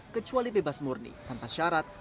kecuali bebas murni tanpa syarat